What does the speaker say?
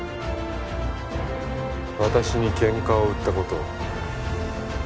私にケンカを売ったことを